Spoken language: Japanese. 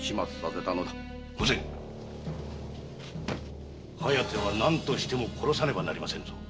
御前「疾風」は何としても殺さねばなりませんぞ。